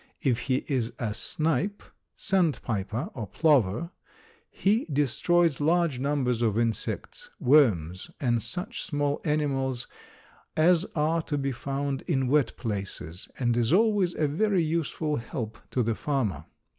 If he is a snipe, sandpiper or plover, he destroys large numbers of insects, worms and such small animals as are to be found in wet places, and is always a very useful help to the farmer.